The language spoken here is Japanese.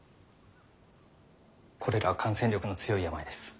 コレラは感染力の強い病です。